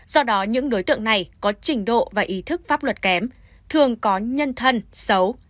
do đó những đối tượng này có trình độ và ý thức pháp luật kém thường có nhân thân xấu